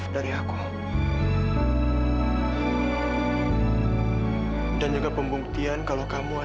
teruslah setengah hacker